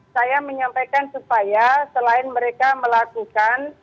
saya menyampaikan supaya selain mereka melakukan